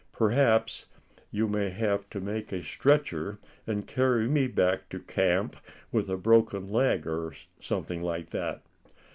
Perhaps you may have to make a stretcher, and carry me back to camp with a broken leg, or something like that."